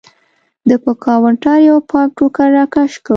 ده پر کاونټر یو پاک ټوکر راکش کړ.